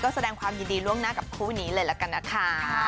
แสดงความยินดีล่วงหน้ากับคู่นี้เลยละกันนะคะ